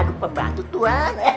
aduh pembantu tua